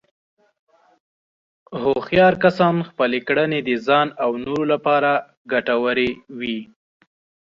هوښیار کسان خپلې کړنې د ځان او نورو لپاره ګټورې وي.